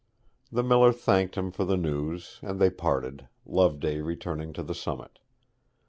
The miller thanked him for the news, and they parted, Loveday returning to the summit.